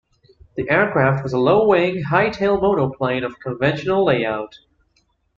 The aircraft was a low-wing, high-tail monoplane of conventional layout.